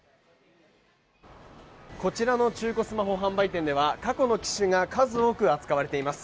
こちらの中古スマホ販売店では過去の機種が数多く扱われています。